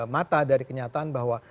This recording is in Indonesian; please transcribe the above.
mata dari kenyataan bahwa